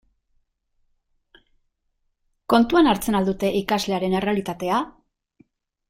Kontuan hartzen al dute ikaslearen errealitatea?